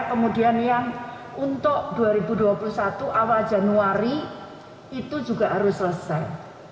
kemudian yang untuk dua ribu dua puluh satu awal januari itu juga harus selesai